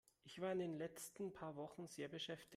Ich war in den letzten paar Wochen sehr beschäftigt.